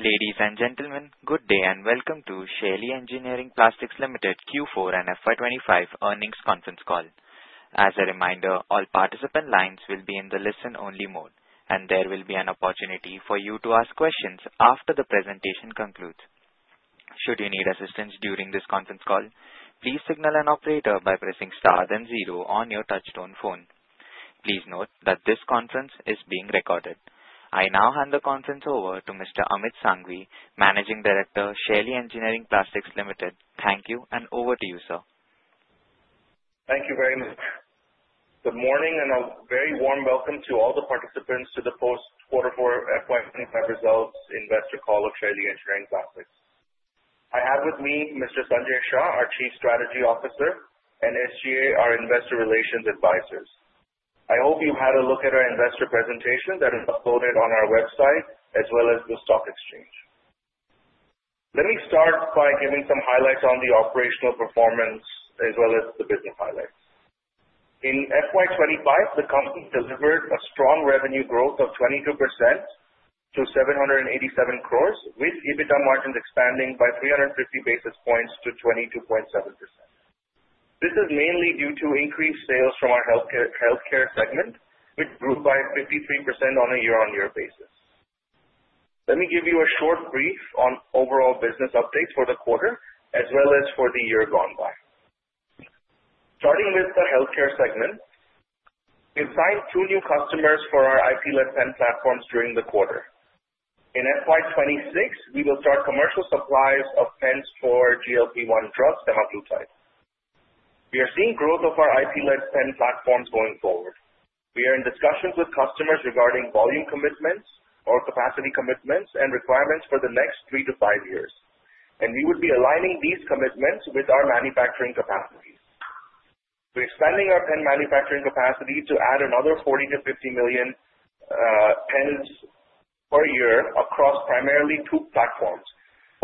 Ladies and gentlemen, good day and welcome to Shaily Engineering Plastics Limited Q4 and FY 2025 earnings conference call. As a reminder, all participant lines will be in the listen-only mode, and there will be an opportunity for you to ask questions after the presentation concludes. Should you need assistance during this conference call, please signal an operator by pressing Star then Zero on your touch-tone phone. Please note that this conference is being recorded. I now hand the conference over to Mr. Amit Sanghvi, Managing Director, Shaily Engineering Plastics Limited. Thank you, and over to you, sir. Thank you very much. Good morning, and a very warm welcome to all the participants to the post-quarter 4 FY 2025 results investor call of Shaily Engineering Plastics. I have with me Mr. Sanjay Shah, our Chief Strategy Officer, and SGA, our investor relations advisors. I hope you had a look at our investor presentation that is uploaded on our website as well as the stock exchange. Let me start by giving some highlights on the operational performance as well as the business highlights. In FY 2025, the company delivered a strong revenue growth of 22% to 787 crores, with EBITDA margins expanding by 350 basis points to 22.7%. This is mainly due to increased sales from our healthcare segment, which grew by 53% on a year-on-year basis. Let me give you a short brief on overall business updates for the quarter as well as for the year gone by. Starting with the healthcare segment, we've signed two new customers for our IP-led pen platforms during the quarter. In FY 2026, we will start commercial supplies of pens for GLP-1 drug, semaglutide. We are seeing growth of our IP-led pen platforms going forward. We are in discussions with customers regarding volume commitments or capacity commitments and requirements for the next three to five years, and we would be aligning these commitments with our manufacturing capacities. We're expanding our pen manufacturing capacity to add another 40 million-50 million pens per year across primarily two platforms,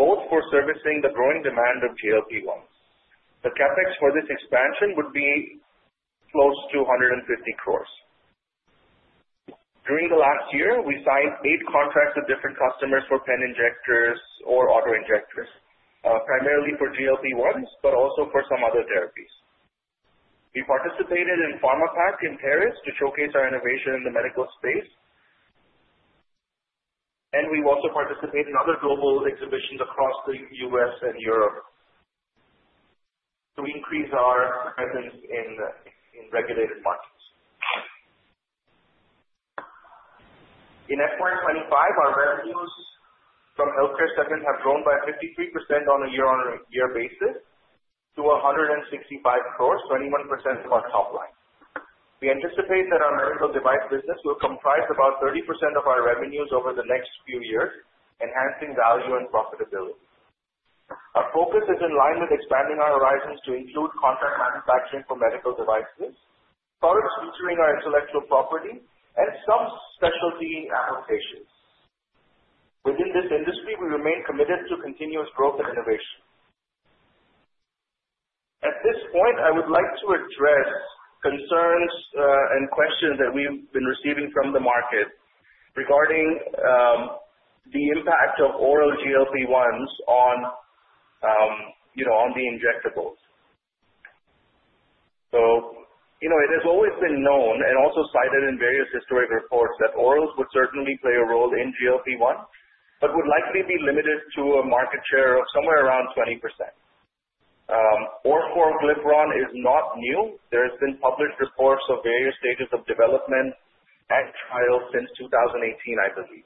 both for servicing the growing demand of GLP-1. The CapEx for this expansion would be close to 150 crores. During the last year, we signed eight contracts with different customers for pen injectors or auto-injectors, primarily for GLP-1s but also for some other therapies. We participated in Pharmapack in Paris to showcase our innovation in the medical space. We've also participated in other global exhibitions across the U.S. and Europe to increase our presence in regulated markets. In FY 2025, our revenues from healthcare segment have grown by 53% on a year-on-year basis to 165 crores, 21% of our top line. We anticipate that our medical device business will comprise about 30% of our revenues over the next few years, enhancing value and profitability. Our focus is in line with expanding our horizons to include contract manufacturing for medical devices, products featuring our intellectual property, and some specialty applications. Within this industry, we remain committed to continuous growth and innovation. At this point, I would like to address concerns and questions that we've been receiving from the market regarding the impact of oral GLP-1s on the injectables. It has always been known and also cited in various historic reports that orals would certainly play a role in GLP-1, but would likely be limited to a market share of somewhere around 20%. Oral glipron is not new. There has been published reports of various stages of development and trials since 2018, I believe.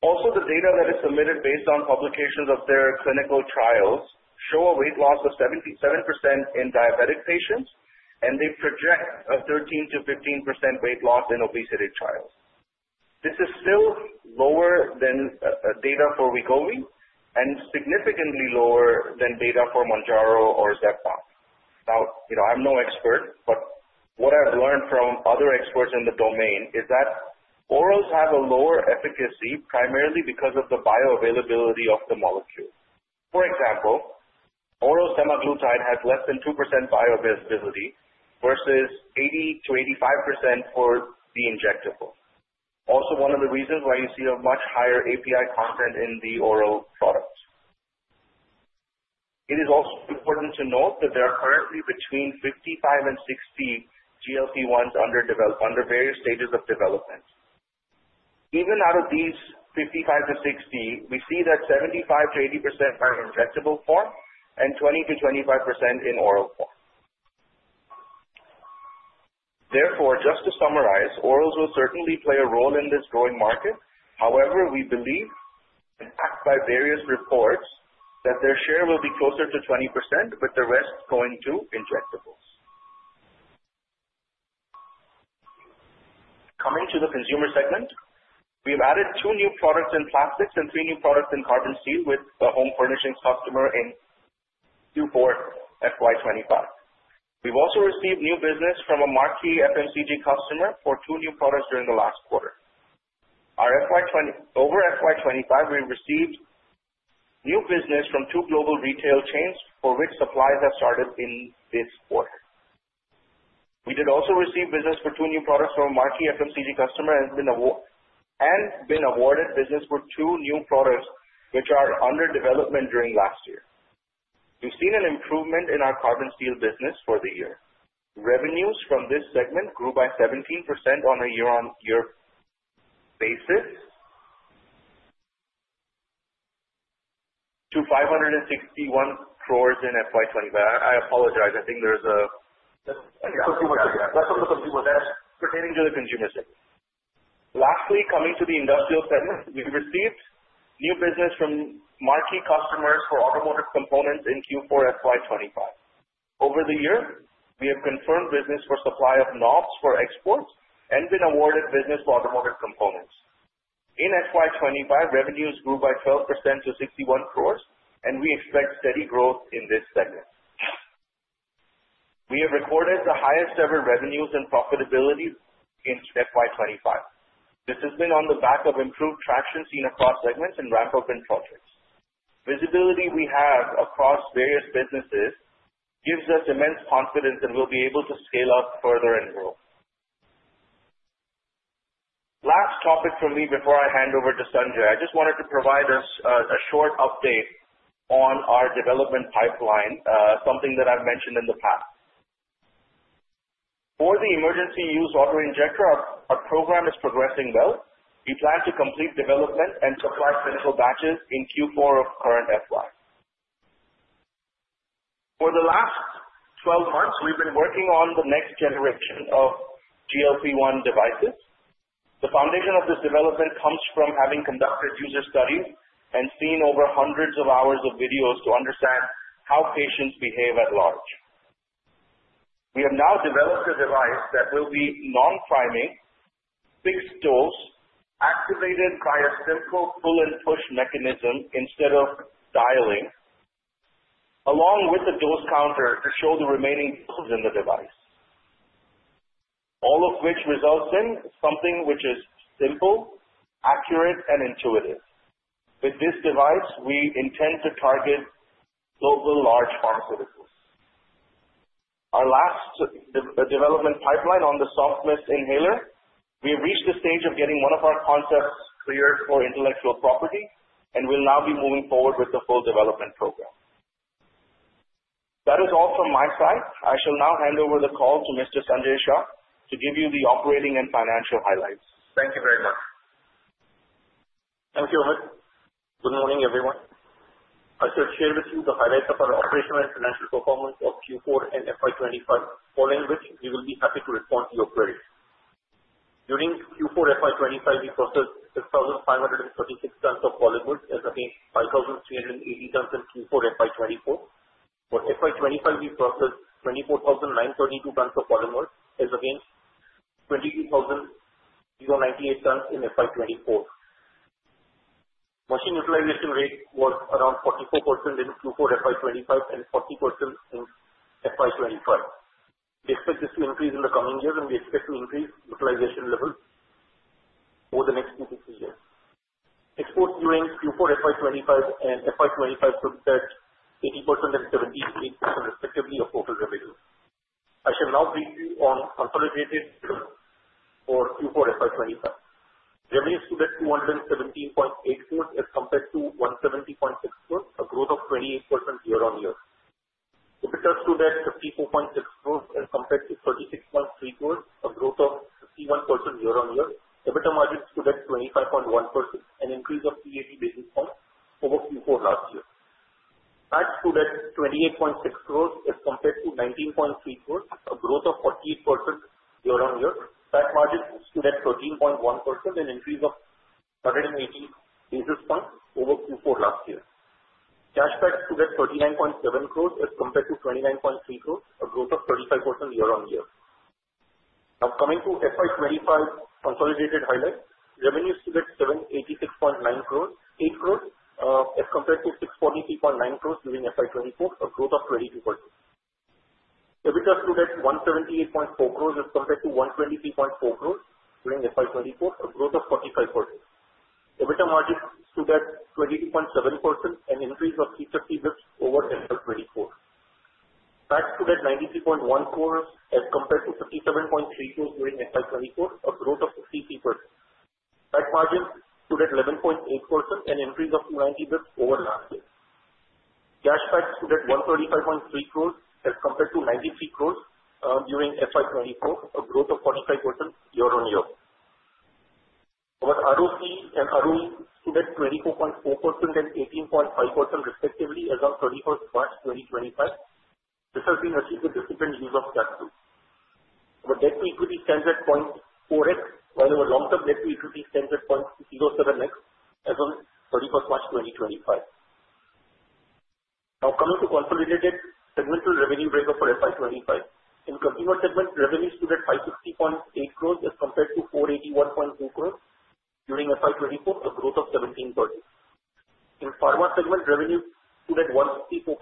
Also, the data that is submitted based on publications of their clinical trials show a weight loss of 77% in diabetic patients, and they project a 13%-15% weight loss in obesity trials. This is still lower than data for Wegovy and significantly lower than data for Mounjaro or Zepbound. Now, I'm no expert, but what I've learned from other experts in the domain is that orals have a lower efficacy, primarily because of the bioavailability of the molecule. For example, oral semaglutide has less than 2% bioavailability versus 80%-85% for the injectable. Also, one of the reasons why you see a much higher API content in the oral product. It is also important to note that there are currently between 55 and 60 GLP-1s under various stages of development. Even out of these 55 to 60, we see that 75%-80% are in injectable form and 20%-25% in oral form. Just to summarize, orals will certainly play a role in this growing market. However, we believe, backed by various reports, that their share will be closer to 20%, with the rest going to injectables. Coming to the consumer segment, we've added two new products in plastics and three new products in carbon steel with a home furnishings customer in Q4 FY 2025. We've also received new business from a marquee FMCG customer for two new products during the last quarter. Over FY 2025, we received new business from two global retail chains for which supplies have started in this quarter. We did also receive business for two new products from a marquee FMCG customer and been awarded business for two new products which are under development during last year. We've seen an improvement in our carbon steel business for the year. Revenues from this segment grew by 17% on a year-on-year basis to 561 crores in FY 2025. I apologize. pertaining to the consumer segment. Lastly, coming to the industrial segment, we've received new business from marquee customers for automotive components in Q4 FY 2025. Over the year, we have confirmed business for supply of knobs for exports and been awarded business for automotive components. In FY 2025, revenues grew by 12% to 61 crores, and we expect steady growth in this segment. We have recorded the highest ever revenues and profitability in FY 2025. This has been on the back of improved traction seen across segments and ramp-up in projects. Visibility we have across various businesses gives us immense confidence that we'll be able to scale up further and grow. Last topic from me before I hand over to Sanjay. I just wanted to provide us a short update on our development pipeline, something that I've mentioned in the past. For the emergency use auto-injector, our program is progressing well. We plan to complete development and supply clinical batches in Q4 of current FY. For the last 12 months, we've been working on the next generation of GLP-1 devices. The foundation of this development comes from having conducted user studies and seen over hundreds of hours of videos to understand how patients behave at large. We have now developed a device that will be non-priming, fixed dose, activated by a simple pull and push mechanism instead of dialing, along with a dose counter to show the remaining doses in the device. All of which results in something which is simple, accurate, and intuitive. With this device, we intend to target global large pharmaceuticals. Our last development pipeline on the soft mist inhaler, we have reached the stage of getting one of our concepts cleared for intellectual property and will now be moving forward with the full development program. That is all from my side. I shall now hand over the call to Mr. Sanjay Shah to give you the operating and financial highlights. Thank you very much. Thank you, Amit. Good morning, everyone. I shall share with you the highlights of our operational and financial performance of Q4 and FY 2025, following which we will be happy to respond to your queries. During Q4 FY 2025, we processed 6,536 tons of polymer as against 5,380 tons in Q4 FY 2024. For FY 2025, we processed 24,932 tons of polymer as against 22,098 tons in FY 2024. Machine utilization rate was around 44% in Q4 FY 2025 and 40% in FY 2025. We expect this to increase in the coming years, and we expect to increase utilization levels over the next two to three years. Exports during Q4 FY 2025 and FY 2025 stood at 80% and 78% respectively of total revenue. I shall now brief you on consolidated for Q4 FY 2025. Revenues stood at 217.8 crores as compared to 170.6 crores, a growth of 28% year-on-year. EBITDA stood at 54.6 crores as compared to 36.3 crores, a growth of 51% year-on-year. EBITDA margin stood at 25.1%, an increase of 80 basis points over Q4 last year. PAT stood at 28.6 crores as compared to 19.3 crores, a growth of 48% year-on-year. PAT margin stood at 13.1%, an increase of 180 basis points over Q4 last year. Cash PAT stood at 39.7 crores as compared to 29.3 crores, a growth of 35% year-on-year. Coming to FY 2025 consolidated highlights. Revenues stood at 786.8 crores as compared to 643.9 crores during FY 2024, a growth of 22%. EBITDA stood at 178.4 crores as compared to 123.4 crores during FY 2024, a growth of 45%. EBITDA margin stood at 22.7%, an increase of 350 basis points over FY 2024. PAT stood at 93.1 crores as compared to 57.3 crores during FY 2024, a growth of 63%. PAT margin stood at 11.8%, an increase of 90 basis points over last year. Cash PAT stood at 135.3 crores as compared to 93 crores during FY 2024, a growth of 45% year-on-year. Our ROCE and ROE stood at 24.4% and 18.5% respectively as of 31st March 2025. This has been achieved with disciplined use of capital. Our debt to equity stands at 0.4x, while our long-term debt to equity stands at 0.07x as on 31st March 2025. Coming to consolidated segmental revenue breakup for FY 2025. In consumer segment, revenue stood at 560.8 crores as compared to 481.2 crores during FY 2024, a growth of 17%. In pharma segment, revenue stood at 164.7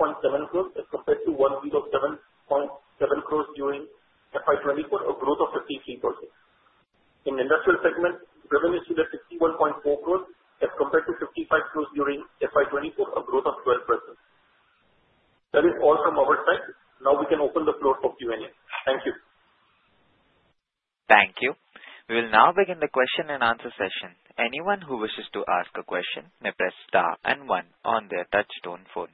crores as compared to 107.7 crores during FY 2024, a growth of 53%. In the industrial segment, revenue stood at 61.4 crores as compared to 55 crores during FY 2024, a growth of 12%. That is all from our side. We can open the floor for Q&A. Thank you. Thank you. We will now begin the question and answer session. Anyone who wishes to ask a question may press star and one on their touch tone phone.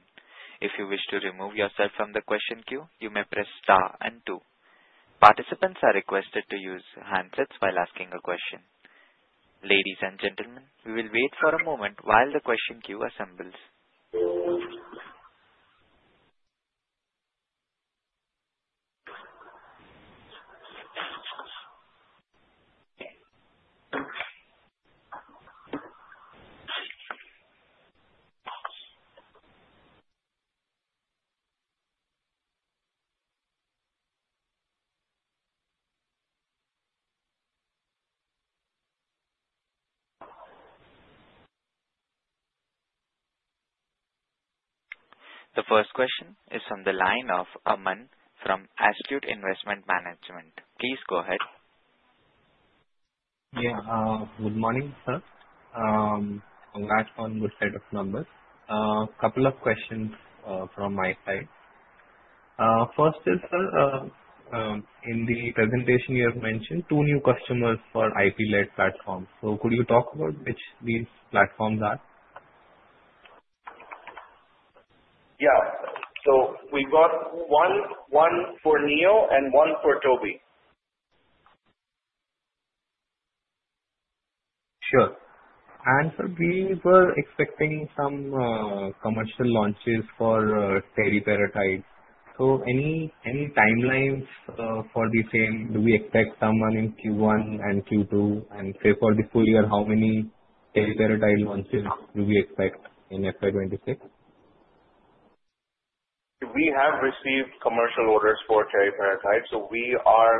If you wish to remove yourself from the question queue, you may press star and two. Participants are requested to use handsets while asking a question. Ladies and gentlemen, we will wait for a moment while the question queue assembles. The first question is from the line of Aman from Altitude Investment Management. Please go ahead. Yeah. Good morning, sir. Congrats on this set of numbers. Couple of questions from my side. First is, sir, in the presentation you have mentioned two new customers for IP-led platform. Could you talk about which these platforms are? Yeah. We got one for NIO and one for Toby. Sure. Sir, we were expecting some commercial launches for teriparatide. Any timelines for the same? Do we expect someone in Q1 and Q2? Say, for the full year, how many teriparatide launches do we expect in FY 2026? We have received commercial orders for teriparatide, so we are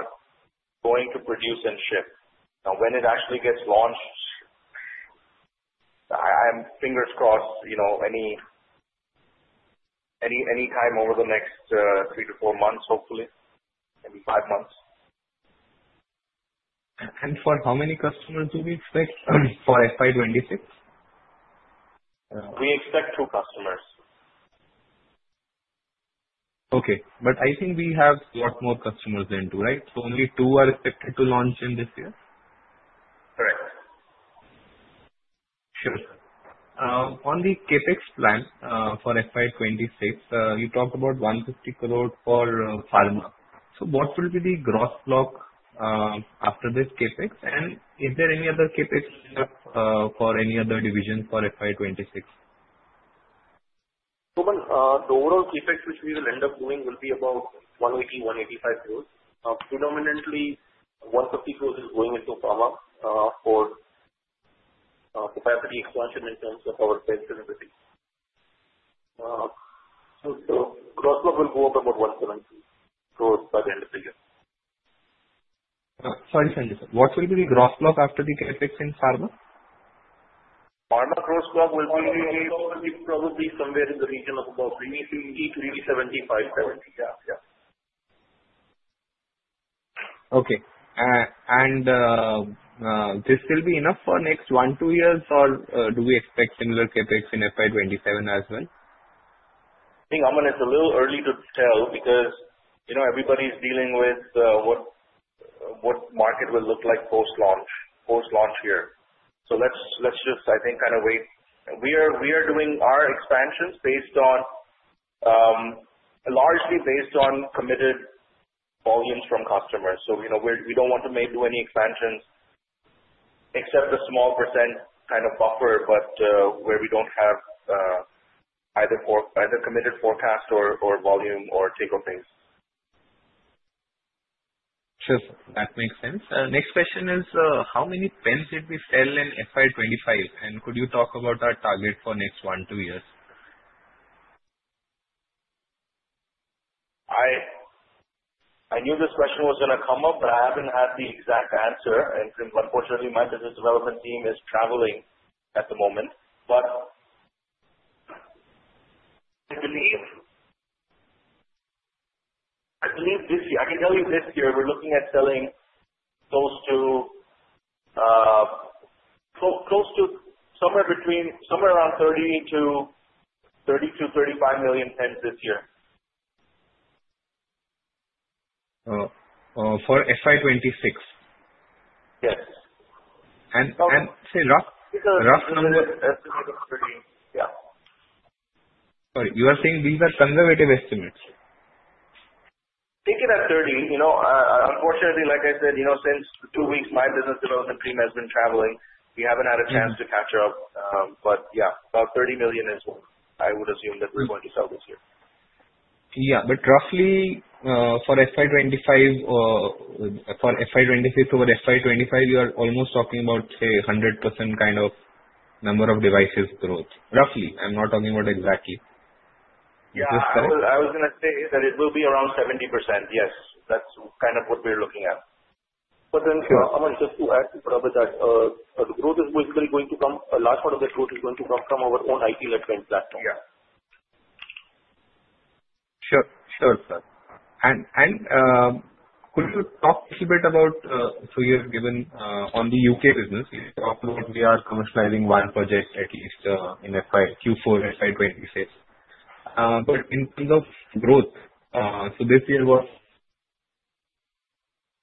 going to produce and ship. Now when it actually gets launched, fingers crossed, any time over the next three to four months, hopefully. Maybe five months. For how many customers do we expect for FY 2026? We expect two customers. I think we have a lot more customers than two, right? Only two are expected to launch in this year? Correct. Sure, sir. On the CapEx plan for FY 2026, you talked about 150 crores for pharma. What will be the gross block after this CapEx? Is there any other CapEx lined up for any other division for FY 2026? The overall CapEx which we will end up doing will be about 180 crores, 185 crores. Predominantly 150 crores is going into pharma for capacity expansion in terms of our pens and everything. Gross block will go up about 170 crores by the end of the year. Sorry, sir. What will be the gross block after the CapEx in pharma? Pharma gross block will be. Probably somewhere in the region of about 350-375. Yeah. Okay. This will be enough for next one to two years or do we expect similar CapEx in FY 2027 as well? I think, Aman, it's a little early to tell because everybody's dealing with what market will look like post-launch here. Let's just, I think, kind of wait. We are doing our expansions largely based on committed volumes from customers. We don't want to maybe do any expansions except a small % kind of buffer, but where we don't have either committed forecast or volume or take-up base. Sure, that makes sense. Next question is, how many pens did we sell in FY 2025, and could you talk about our target for next one, two years? I knew this question was going to come up, but I haven't had the exact answer. Unfortunately, my business development team is traveling at the moment. I believe this year, I can tell you this year we're looking at selling somewhere around 30 million-35 million pens this year. For FY 2026? Yes. And say rough- Yeah. Sorry, you are saying these are conservative estimates? Take it at 30. Unfortunately, like I said, since two weeks, my business development team has been traveling. We haven't had a chance to catch up. Yeah, about 30 million is what I would assume that we're going to sell this year. Yeah, roughly for FY 2025 over FY 2026, you are almost talking about, say, 100% kind of number of devices growth. Roughly. I'm not talking about exactly. Is this correct? Yeah, I was going to say that it will be around 70%. Yes, that's kind of what we're looking at. Aman, just to add to Prabhat that the large part of that growth is going to come from our own IP-led pens platform. Yeah. Sure, sir. Could you talk a bit about, so you have given on the U.K. business, you talked about we are commercializing one project at least in Q4 FY 2026. In terms of growth, so this year was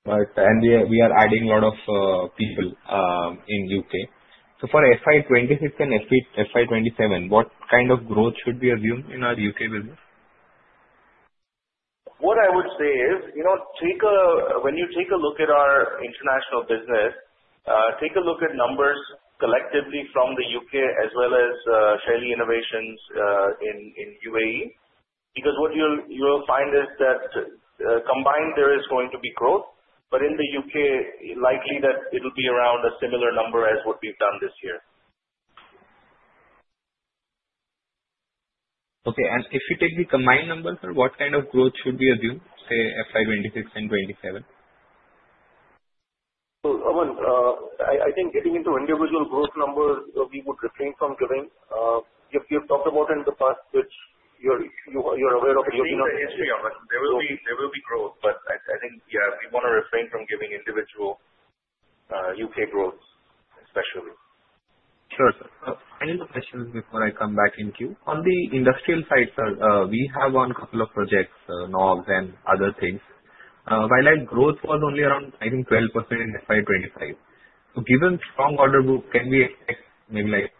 Right. We are adding a lot of people in U.K. For FY 2026 and FY 2027, what kind of growth should we assume in our U.K. business? What I would say is, when you take a look at our international business, take a look at numbers collectively from the U.K. as well as Shaily Innovations in UAE. What you'll find is that combined there is going to be growth, but in the U.K. likely that it'll be around a similar number as what we've done this year. Okay. If you take the combined numbers, sir, what kind of growth should we assume, say, FY 2026 and FY 2027? Aman, I think getting into individual growth numbers, we would refrain from giving. You've talked about it in the past, which you're aware of. Looking at history, Aman, there will be growth, I think, yeah, we want to refrain from giving individual U.K. growths, especially. Sure, sir. Finally, the question before I come back in queue. On the industrial side, sir, we have won a couple of projects, knobs and other things. While our growth was only around, I think, 12% in FY 2025. Given strong order book, can we expect maybe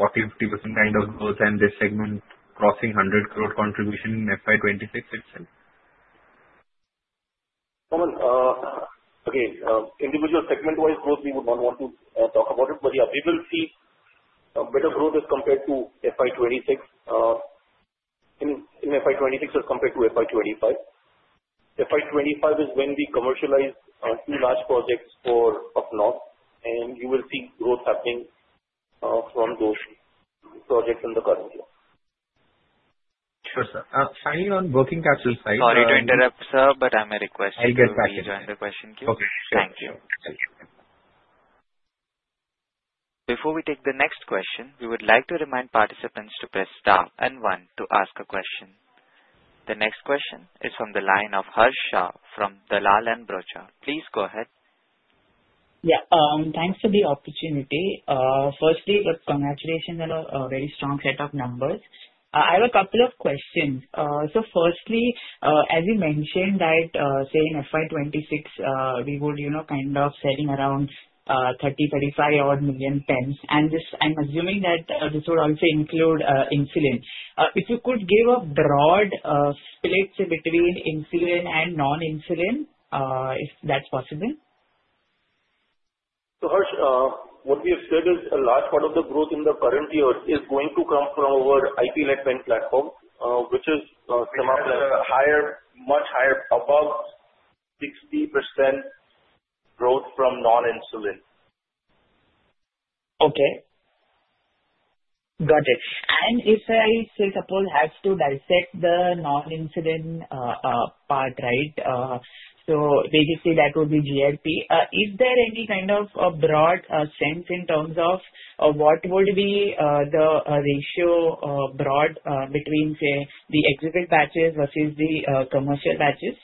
40%-50% kind of growth and this segment crossing 100 crore contribution in FY 2026 itself? Aman, okay. Individual segment-wise growth, we would not want to talk about it. Yeah, we will see a better growth as compared to FY 2026. In FY 2026 as compared to FY 2025. FY 2025 is when we commercialize two large projects for up north, and you will see growth happening from those projects in the current year. Sure, sir. Finally, on working capital side. Sorry to interrupt, sir, but I may request you. I'll get back. To rejoin the question queue. Okay, sure. Thank you. Thank you. Before we take the next question, we would like to remind participants to press star and one to ask a question. The next question is from the line of Harsh Shah from Dalal & Broacha. Please go ahead. Yeah, thanks for the opportunity. Firstly, congratulations on a very strong set of numbers. I have a couple of questions. Firstly, as you mentioned that, say, in FY 2026, we would kind of selling around 30-35 million pens. I'm assuming that this would also include insulin. If you could give a broad split between insulin and non-insulin, if that's possible. Harsh, what we have said is a large part of the growth in the current year is going to come from our NIO platform, which has a much higher, above 60% growth from non-insulin. Okay. Got it. If I, say, suppose, have to dissect the non-insulin part. Basically, that would be DRP. Is there any kind of a broad sense in terms of what would be the ratio broad between, say, the exhibit batches versus the commercial batches?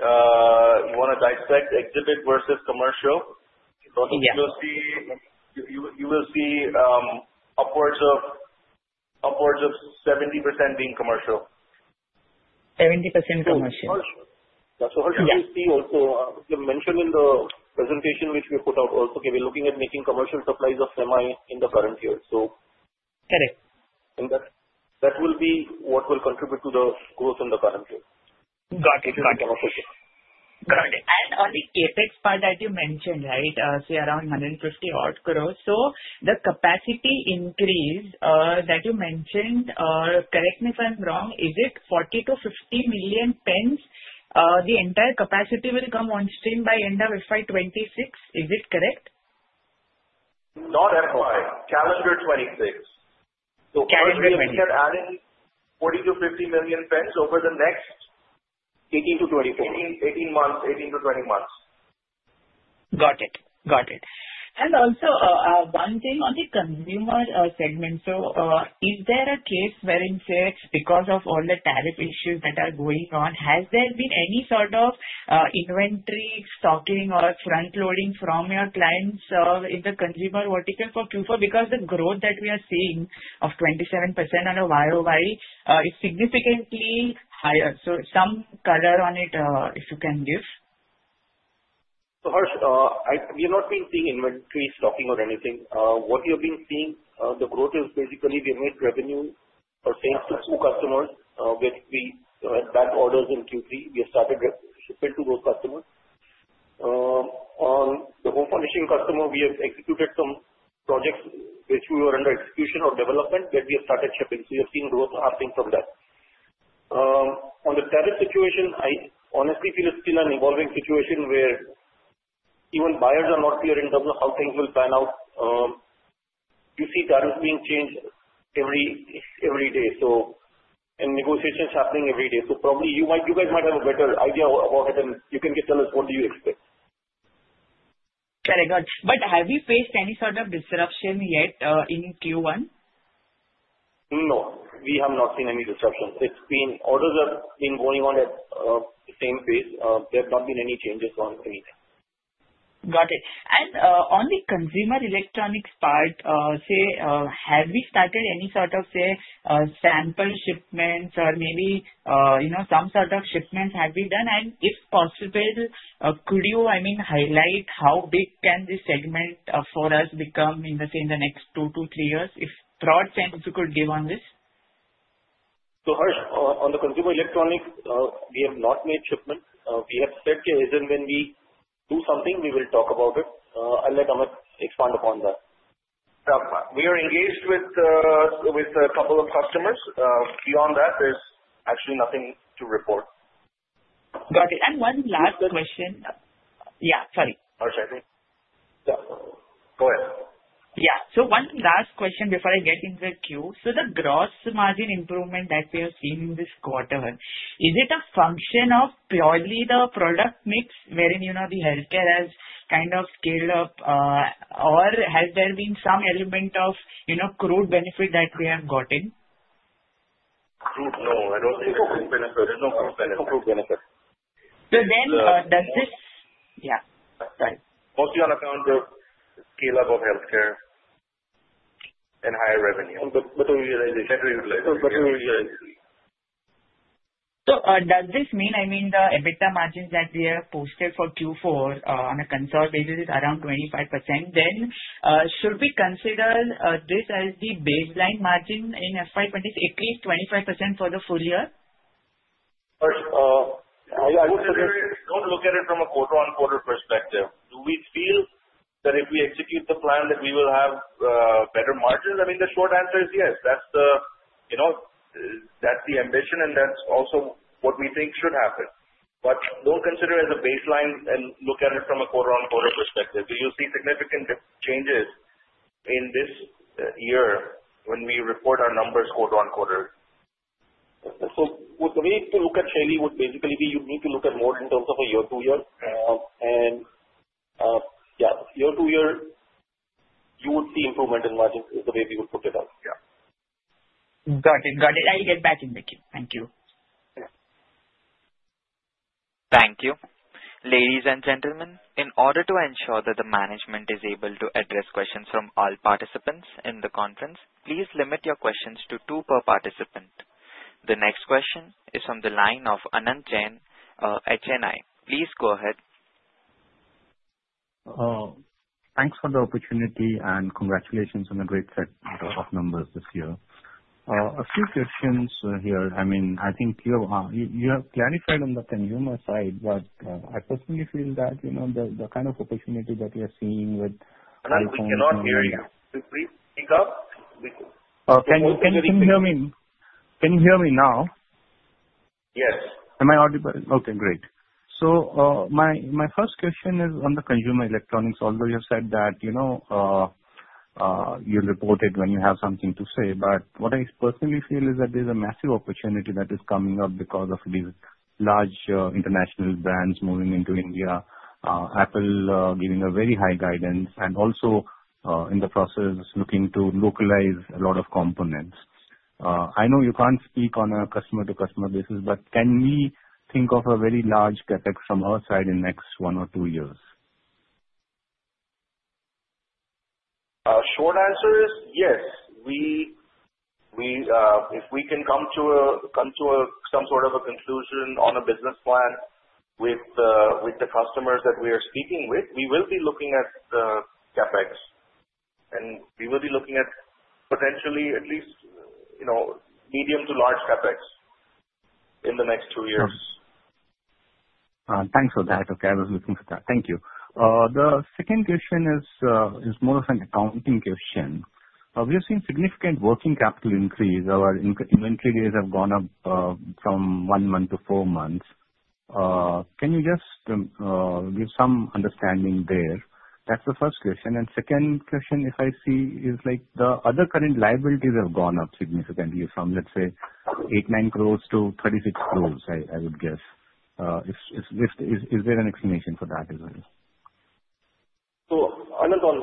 You want to dissect exhibit versus commercial? Yes. You will see upwards of 70% being commercial. 70% commercial. Harsh, you see also, we mentioned in the presentation, which we put out also, we're looking at making commercial supplies of semi in the current year. Correct. That will be what will contribute to the growth in the current year. Got it. If you look at our commercial. Got it. On the CapEx part that you mentioned. Say, around 150 odd crores. The capacity increase that you mentioned, correct me if I'm wrong, is it 40 to 50 million pens? The entire capacity will come on stream by end of FY 2026. Is this correct? Not FY, calendar 2026. Calendar 2026. Currently we are adding 40 to 50 million pens over the next- 18 to 24 18-20 months. Got it. Also one thing on the consumer segment. Is there a case wherein, say, because of all the tariff issues that are going on, has there been any sort of inventory stocking or front-loading from your clients in the consumer vertical for Q4? Because the growth that we are seeing of 27% on a year-over-year is significantly higher. Some color on it, if you can give. Harsh, we have not been seeing inventory stocking or anything. What we have been seeing, the growth is basically we have made revenue or sales to two customers, where we had back orders in Q3. We have started shipping to those customers. On the home furnishing customer, we have executed some projects which were under execution or development, where we have started shipping. We are seeing growth happening from that. On the tariff situation, I honestly feel it's still an evolving situation where even buyers are not clear in terms of how things will pan out. You see tariffs being changed every day, and negotiations happening every day. Probably you guys might have a better idea about it and you can tell us what do you expect. Correct. Have you faced any sort of disruption yet in Q1? No, we have not seen any disruptions. Orders have been going on at the same pace. There have not been any changes on anything. Got it. On the consumer electronics part, say, have we started any sort of, say, sample shipments or maybe some sort of shipments have been done? If possible, could you highlight how big can this segment for us become in, let's say, in the next two to three years? If broad sense you could give on this. Harsh, on the consumer electronics, we have not made shipments. We have said as and when we do something, we will talk about it. I'll let Amit expand upon that. We are engaged with a couple of customers. Beyond that, there's actually nothing to report. Got it. One last question. Yeah, sorry. Harsh, I think Yeah. Go ahead. Yeah. One last question before I get into the queue. The gross margin improvement that we have seen in this quarter, is it a function of purely the product mix wherein, the healthcare has kind of scaled up? Or has there been some element of crude benefit that we have gotten? Crude, no, I don't think so. There's no crude benefit. No crude benefit. Yeah. Sorry. Mostly on account of scale of healthcare and higher revenue. Better realization. Better realization. Better realization. Does this mean, the EBITDA margins that we have posted for Q4 on a consolidated basis is around 25%, should we consider this as the baseline margin in FY 2022 at least 25% for the full year? Harsh, don't look at it from a quarter-on-quarter perspective. Do we feel that if we execute the plan then we will have better margins? I mean, the short answer is yes. That's the ambition, and that's also what we think should happen. Don't consider as a baseline and look at it from a quarter-on-quarter perspective. You'll see significant changes in this year when we report our numbers quarter-on-quarter. The way to look at Shaily would basically be you need to look at more in terms of a year-to-year. Yeah, year-to-year, you would see improvement in margins is the way we would put it out. Yeah. Got it. I'll get back in the queue. Thank you. Yeah. Thank you. Ladies and gentlemen, in order to ensure that the management is able to address questions from all participants in the conference, please limit your questions to two per participant. The next question is from the line of Anant Jain, HNI. Please go ahead. Thanks for the opportunity and congratulations on the great set of numbers this year. A few questions here. I think you have clarified on the consumer side, but I personally feel that the kind of opportunity that we are seeing with iPhones. Anant, we cannot hear you. Please speak up. Can you hear me? Can you hear me now? Yes. Am I audible? Okay, great. My first question is on the consumer electronics, although you said that you'll report it when you have something to say, what I personally feel is that there's a massive opportunity that is coming up because of these large international brands moving into India. Apple giving a very high guidance and also, in the process, looking to localize a lot of components. I know you can't speak on a customer-to-customer basis, can we think of a very large CapEx from our side in next one or two years? Short answer is yes. If we can come to some sort of a conclusion on a business plan with the customers that we are speaking with, we will be looking at the CapEx, we will be looking at potentially at least medium to large CapEx in the next two years. Thanks for that. Okay. I was looking for that. Thank you. The second question is more of an accounting question. We have seen significant working capital increase. Our inventory days have gone up from one month to four months. Can you just give some understanding there? That's the first question. Second question, if I see, is like the other current liabilities have gone up significantly from, let's say, 8 crore, 9 crore to 36 crore, I would guess. Is there an explanation for that as well? Anant, on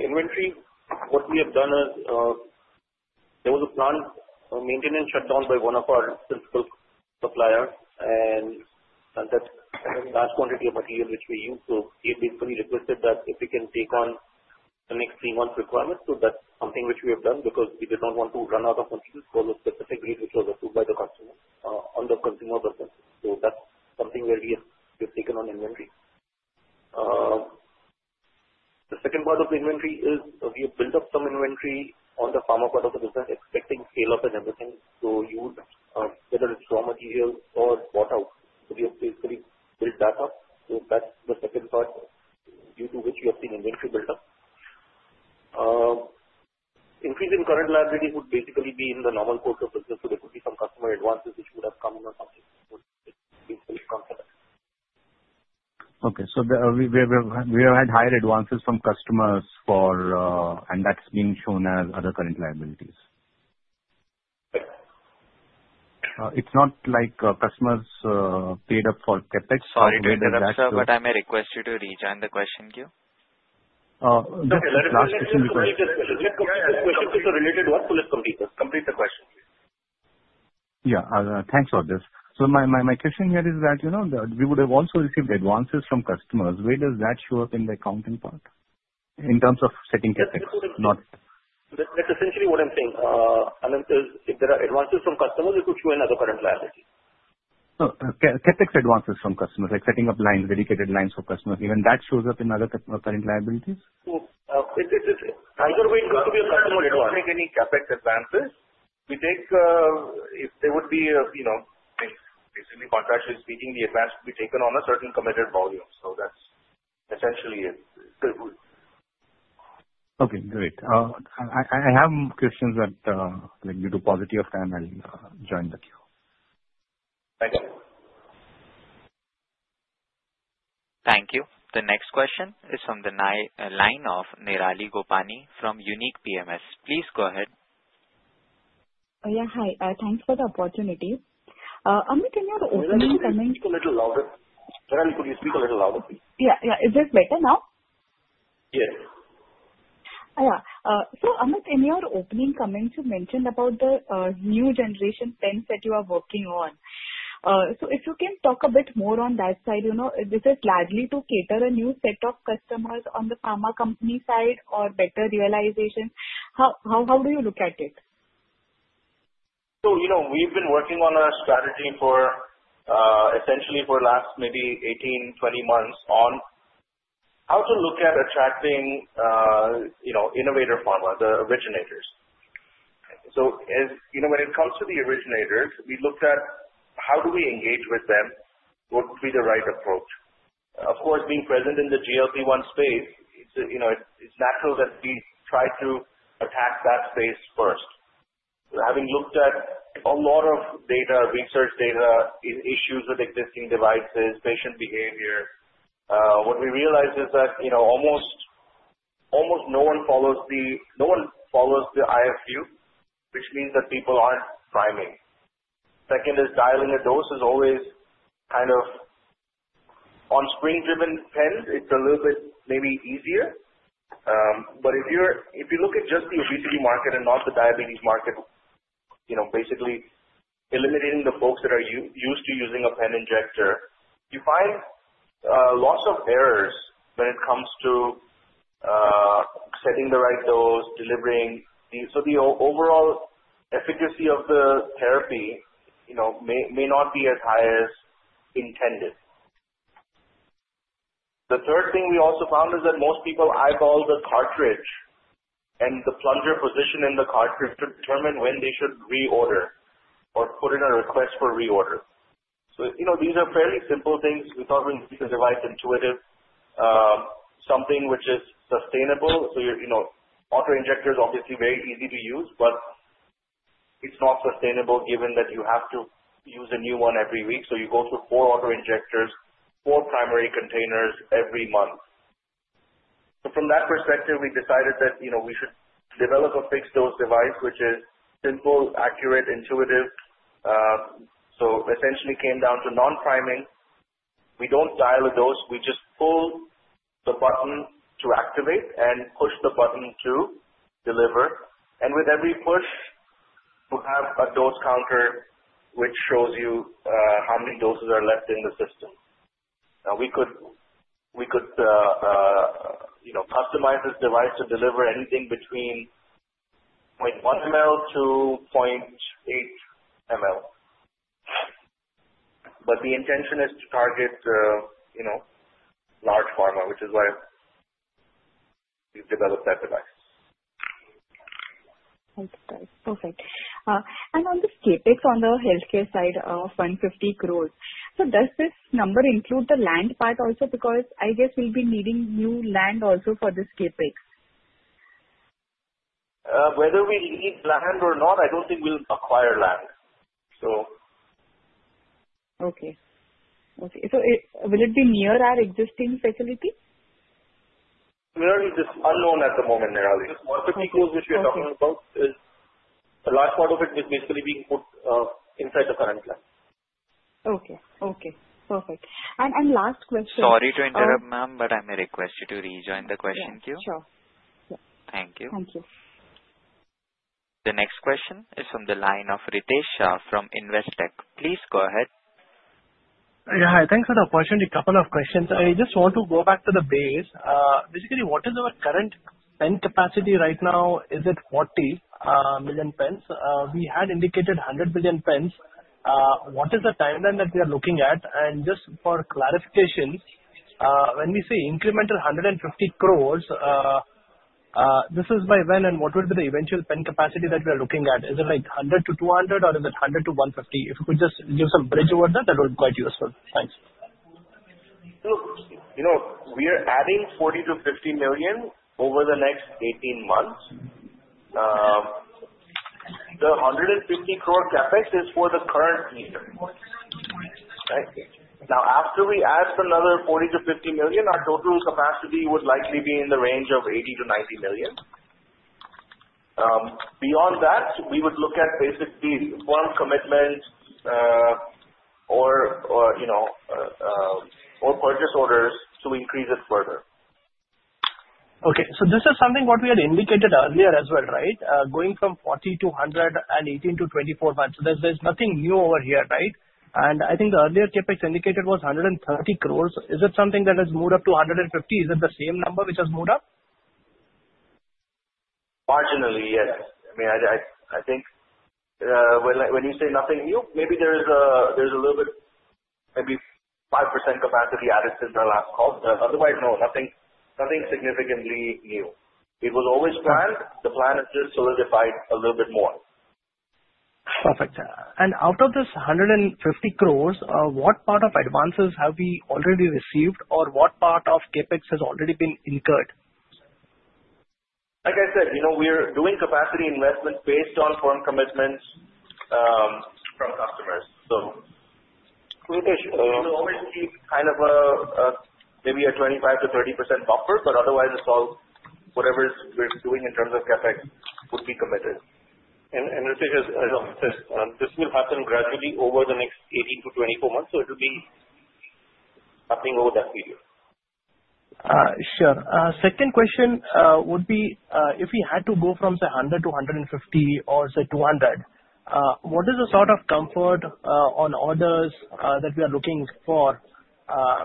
inventory, what we have done is, there was a planned maintenance shutdown by one of our principal suppliers, that's a large quantity of material which we use. He basically requested that if we can take on the next 3 months' requirement. That's something which we have done because we did not want to run out of materials for the specific grade which was approved by the customer on the consumer business. That's something where we have taken on inventory. The second part of the inventory is we've built up some inventory on the pharma part of the business expecting scale-up and everything, whether it's raw materials or bought out. We have basically built that up. That's the second part due to which we have seen inventory build-up. Increase in current liability would basically be in the normal course of business, there could be some customer advances which would have come in or something. Okay, we have had higher advances from customers, that's being shown as other current liabilities. It's not like customers paid up for CapEx. Sorry to interrupt, sir, may I request you to rejoin the question queue? Last question because- Let Amit answer the related question. The question is a related one, let's complete the question, please. Yeah. Thanks, Rajesh. My question here is that, we would have also received advances from customers. Where does that show up in the accounting part, in terms of setting CapEx? Not- That's essentially what I'm saying. Anant, if there are advances from customers, it will show in other current liabilities. No. CapEx advances from customers, like setting up lines, dedicated lines for customers, even that shows up in other current liabilities? Either way it has to be a customer advance. We don't make any CapEx advances. If there would be, basically contractually speaking, the advance should be taken on a certain committed volume. That's essentially it. Okay, great. I have more questions, due to paucity of time, I'll join the queue. Thank you. Thank you. The next question is from the line of Nirali Gopani from Unique PMS. Please go ahead. Yeah, hi. Thanks for the opportunity. Amit, in your opening comments- Nirali, could you speak a little louder, please? Yeah. Is this better now? Yes. Yeah. Amit, in your opening comments, you mentioned about the new generation pens that you are working on. If you can talk a bit more on that side. Is this largely to cater a new set of customers on the pharma company side or better realization? How do you look at it? We've been working on a strategy, essentially for the last maybe 18, 20 months, on how to look at attracting innovator pharma, the originators. When it comes to the originators, we looked at how do we engage with them, what would be the right approach. Of course, being present in the GLP-1 space, it's natural that we try to attack that space first. Having looked at a lot of data, research data, issues with existing devices, patient behavior, what we realized is that, almost no one follows the IFU, which means that people aren't priming. Second is dialing a dose is always on screen-driven pens, it's a little bit maybe easier. If you look at just the obesity market and not the diabetes market, basically eliminating the folks that are used to using a pen injector, you find lots of errors when it comes to setting the right dose, delivering. The overall efficacy of the therapy may not be as high as intended. The third thing we also found is that most people eyeball the cartridge and the plunger position in the cartridge to determine when they should reorder or put in a request for reorder. These are fairly simple things. We thought we can make the device intuitive, something which is sustainable. Auto-injectors are obviously very easy to use, but it's not sustainable given that you have to use a new one every week. You go through four auto-injectors, four primary containers every month. From that perspective, we decided that we should develop a fixed-dose device which is simple, accurate, intuitive. Essentially it came down to non-priming. We don't dial a dose. We just pull the button to activate and push the button to deliver. With every push, we have a dose counter which shows you how many doses are left in the system. We could customize this device to deliver anything between 0.1 ml to 0.8 ml. The intention is to target large pharma, which is why we've developed that device. Okay, perfect. On the CapEx on the healthcare side of 150 crores, does this number include the land part also? I guess we'll be needing new land also for this CapEx. Whether we need land or not, I don't think we'll acquire land. Okay. Will it be near our existing facility? Nirali, this is unknown at the moment, Nirali. The INR 150 crores which we are talking about, a large part of it is basically being put inside the current land. Okay. Perfect. Last question. Sorry to interrupt, ma'am, may I request you to rejoin the question queue? Yeah, sure. Thank you. Thank you. The next question is from the line of Ritesh Shah from Investec. Please go ahead. Hi. Thanks for the opportunity. A couple of questions. I just want to go back to the base. Basically, what is our current pen capacity right now? Is it 40 million pens? We had indicated 100 million pens. What is the timeline that we are looking at? Just for clarification, when we say incremental 150 crores, this is by when? What would be the eventual pen capacity that we are looking at? Is it like 100-200, or is it 100-150? If you could just give some bridge over that would be quite useful. Thanks. Look, we are adding 40-50 million over the next 18 months. The 150 crore CapEx is for the current year. Right. After we add another 40-50 million, our total capacity would likely be in the range of 80-90 million. Beyond that, we would look at basically firm commitment or purchase orders to increase it further. Okay. This is something what we had indicated earlier as well, right? Going from 40-100 and 18-24 months. There's nothing new over here, right? I think the earlier CapEx indicated was 130 crores. Is it something that has moved up to 150? Is it the same number which has moved up? Marginally, yes. I think when you say nothing new, maybe there is a little bit, maybe 5% capacity added since our last call. Otherwise, no, nothing significantly new. It was always planned. The plan is just solidified a little bit more. Perfect. Out of this 150 crore, what part of advances have we already received, or what part of CapEx has already been incurred? Like I said, we're doing capacity investment based on firm commitments from customers. It will always be kind of maybe a 25%-30% buffer, but otherwise, whatever we're doing in terms of CapEx would be committed. Ritesh, this will happen gradually over the next 18-24 months, so it'll be happening over that period. Sure. Second question would be, if we had to go from, say, 100 crore-150 crore or, say, 200 crore, what is the sort of comfort on orders that we are looking for?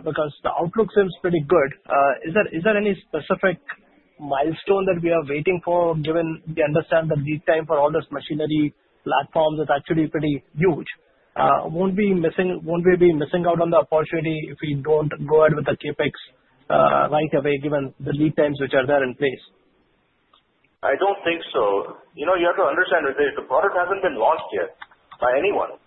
Because the outlook seems pretty good. Is there any specific milestone that we are waiting for, given we understand the lead time for all this machinery platforms is actually pretty huge. Won't we be missing out on the opportunity if we don't go ahead with the CapEx right away, given the lead times which are there in place? I don't think so. You have to understand, Ritesh, the product hasn't been launched yet by anyone.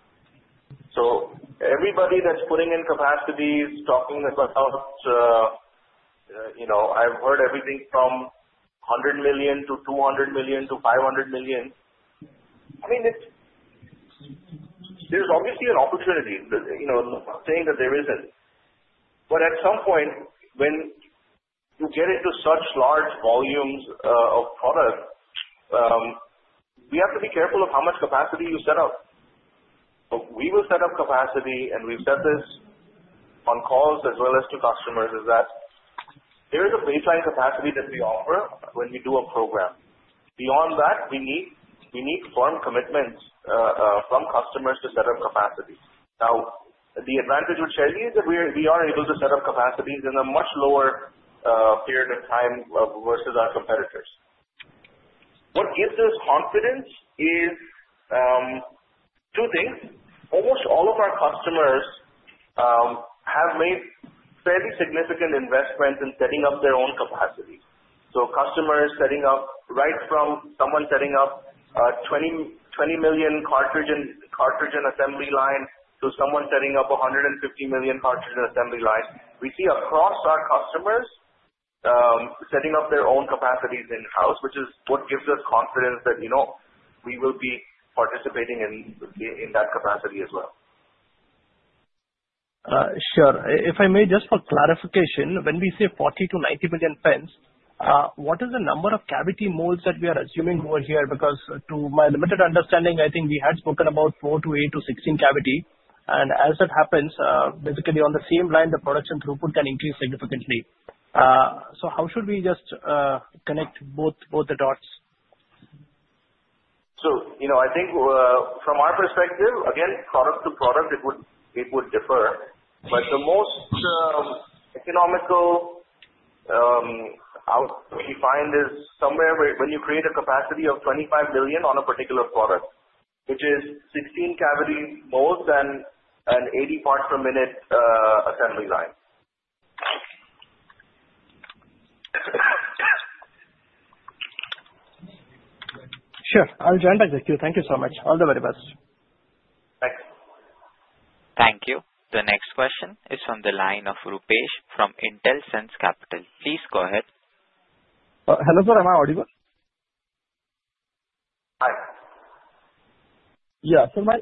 Everybody that's putting in capacities, talking about I've heard everything from 100 million to 200 million to 500 million. There's obviously an opportunity. I'm not saying that there isn't. At some point, when you get into such large volumes of product, we have to be careful of how much capacity you set up. We will set up capacity, and we've said this on calls as well as to customers, is that there is a baseline capacity that we offer when we do a program. Beyond that, we need firm commitments from customers to set up capacity. The advantage with Shaily is that we are able to set up capacities in a much lower period of time versus our competitors. What gives us confidence is two things. Almost all of our customers have made fairly significant investments in setting up their own capacity. Customers setting up, right from someone setting up a 20 million cartridge and assembly line to someone setting up 150 million cartridge and assembly line. We see across our customers setting up their own capacities in-house, which is what gives us confidence that we will be participating in that capacity as well. Sure. If I may, just for clarification, when we say 40 to 90 million pens, what is the number of cavity molds that we are assuming over here? Because to my limited understanding, I think we had spoken about four to eight to 16 cavity, and as it happens, basically on the same line, the production throughput can increase significantly. How should we just connect both the dots? I think from our perspective, again, product to product, it would differ. The most economical we find is somewhere when you create a capacity of 25 million on a particular product. Which is 16 cavity molds and an 80 parts per minute assembly line. Sure. I'll join back with you. Thank you so much. All the very best. Thanks. Thank you. The next question is from the line of Rupesh from Intelsense Capital. Please go ahead. Hello, sir. Am I audible? Hi.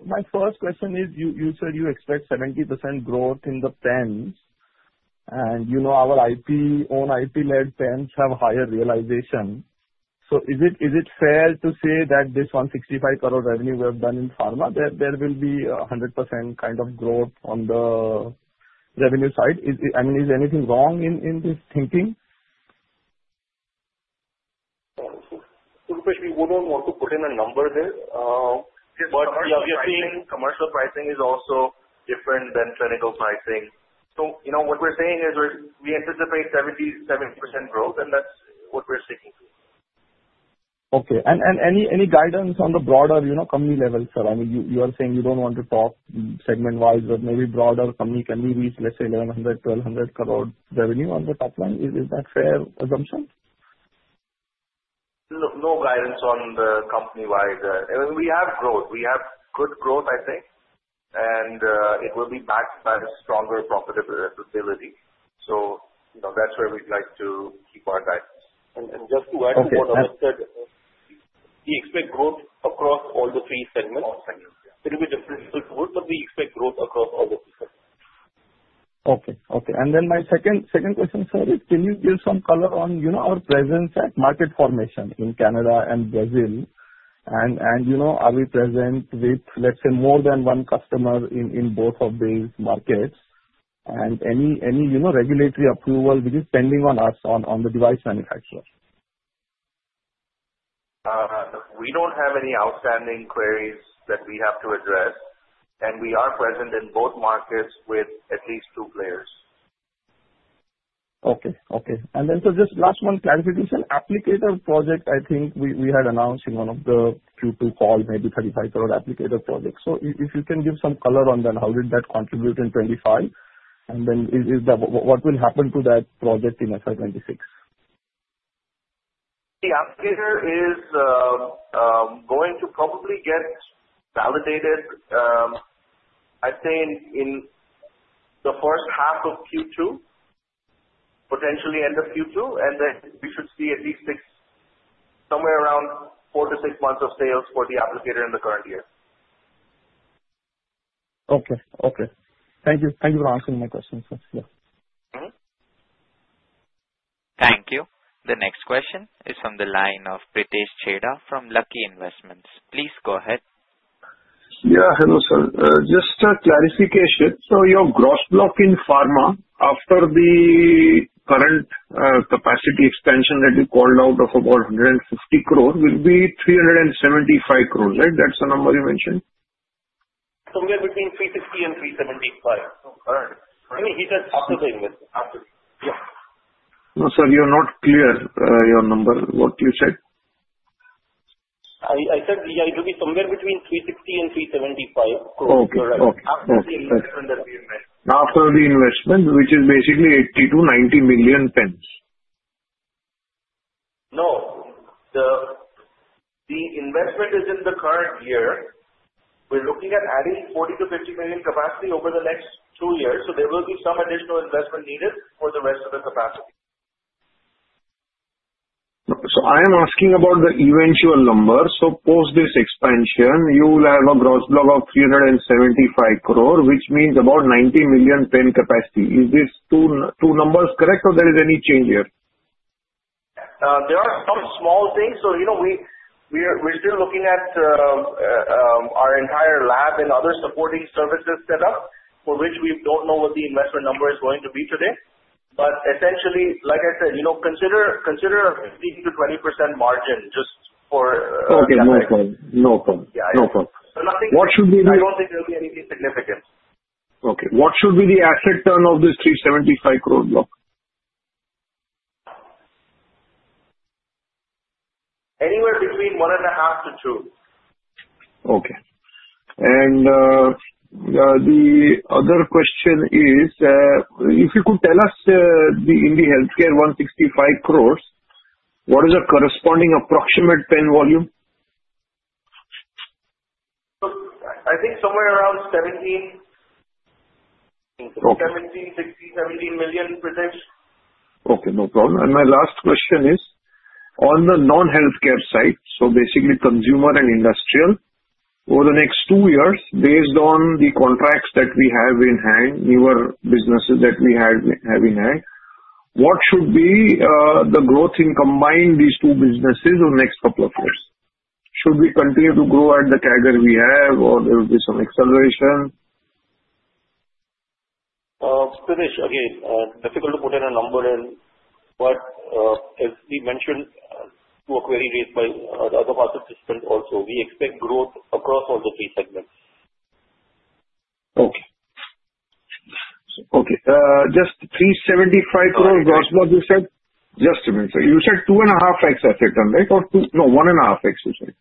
My first question is, you said you expect 70% growth in the pens, and our own IP-led pens have higher realization. Is it fair to say that this 165 crore revenue we have done in pharma, there will be 100% kind of growth on the revenue side? Is anything wrong in this thinking? Rupesh, we wouldn't want to put in a number there. Commercial pricing is also different than clinical pricing. What we're saying is we anticipate 77% growth, and that's what we're sticking to. Okay. Any guidance on the broader company level, sir? You are saying you don't want to talk segment-wise, but maybe broader company, can we reach, let's say, 1,100 crore, 1,200 crore revenue on the top line? Is that a fair assumption? Look, no guidance on the company-wide. We have growth. We have good growth, I think, and it will be backed by a stronger profitability. That's where we'd like to keep our guidance. Just to add to what Amit said. We expect growth across all the three segments. All segments. Yeah. There will be differences, but we expect growth across all the segments. Okay. Then my second question, sir, is can you give some color on our presence at market formation in Canada and Brazil? Are we present with, let's say, more than one customer in both of these markets? Any regulatory approval which is pending on us on the device manufacturer? We don't have any outstanding queries that we have to address, and we are present in both markets with at least two players. Okay. Just last one clarification. Applicator project, I think we had announced in one of the Q2 calls, maybe 35 applicator project. If you can give some color on then how did that contribute in 2025, and then what will happen to that project in FY 2026. The applicator is going to probably get validated, I'd say, in the first half of Q2, potentially end of Q2. We should see at least somewhere around four to six months of sales for the applicator in the current year. Okay. Thank you. Thank you for answering my questions, sir. Yeah. Thank you. The next question is from the line of Pritesh Chheda from Lucky Investments. Please go ahead. Yeah. Hello, sir. Just a clarification. Your gross block in pharma, after the current capacity expansion that you called out of about 150 crores will be 375 crores, right? That's the number you mentioned? Somewhere between 360 crores and 375 crores. Current. I mean, after the investment. After. Yeah. No, sir, you're not clear, your number, what you said. I said it will be somewhere between 360 crores and 375 crores. Okay. After the investment that we made. After the investment, which is basically 80 million pens-90 million pens. No. The investment is in the current year. We're looking at adding 40 to 50 million capacity over the next two years. There will be some additional investment needed for the rest of the capacity. I am asking about the eventual number. Post this expansion, you will have a gross block of 375 crores, which means about 90 million pen capacity. Is these two numbers correct, or there is any change here? There are some small things. We're still looking at our entire lab and other supporting services set up, for which we don't know what the investment number is going to be today. Essentially, like I said, consider a 15%-20% margin. Okay. No problem. Yeah. No problem. Nothing. What should be the? I don't think there'll be anything significant. Okay. What should be the asset turn of this 375 crore block? Anywhere between one and a half to two. The other question is if you could tell us in the healthcare 165 crore, what is the corresponding approximate pen volume? I think somewhere around 17. Okay. 17, 16, 17 million pens. My last question is on the non-healthcare side, so basically consumer and industrial, over the next two years, based on the contracts that we have in hand, newer businesses that we have in hand, what should be the growth in combining these two businesses over next couple of years? Should we continue to grow at the CAGR we have, or there will be some acceleration? Pritesh, again, difficult to put in a number. As we mentioned to a query raised by the other participant also, we expect growth across all the 3 segments. Okay. Just 375 crores. Sorry. -gross is what you said? Just a minute, sir. You said 2.5x asset turn, right? Or no, 1.5x, you said.